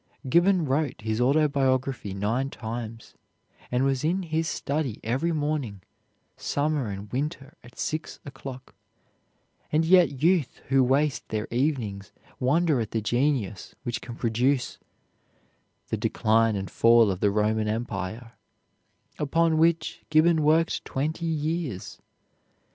'" Gibbon wrote his autobiography nine times, and was in his study every morning, summer and winter, at six o'clock; and yet youth who waste their evenings wonder at the genius which can produce "The Decline and Fall of the Roman Empire," upon which Gibbon worked twenty years.